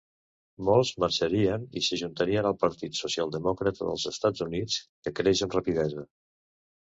Molts marxarien i s'ajuntarien al Partit Socialdemòcrata dels Estats Units, que creix amb rapidesa.